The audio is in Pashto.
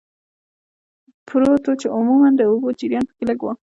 پروت و، چې عموماً د اوبو جریان پکې لږ و.